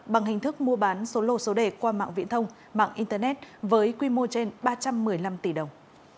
bằng hình thức mua bán số lô số đề qua mạng viễn thông mạng internet với quy mô trên ba trăm một mươi năm tỷ đồng